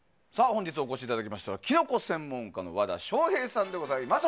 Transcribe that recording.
本日お越しいただきましたのはキノコ専門家の和田匠平さんでございます。